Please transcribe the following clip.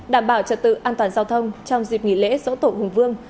đảm bảo trật tự an toàn giao thông trong dịp nghỉ lễ dỗ tổ hùng vương